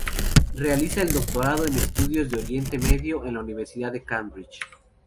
Realiza el doctorado en Estudios de Oriente Medio en la Universidad de Cambridge.